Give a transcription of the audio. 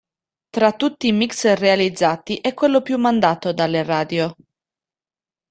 Tra tutti i mix realizzati è quello più mandato dalle radio.